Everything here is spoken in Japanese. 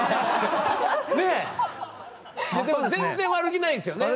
でも全然悪気ないんですよね？